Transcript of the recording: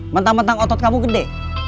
mentang mentang otot kamu gede